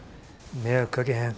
迷惑かけへん。